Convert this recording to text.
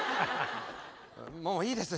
もういいです。